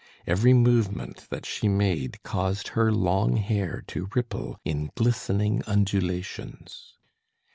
Every movement that she made caused her long hair to ripple in glistening undulations.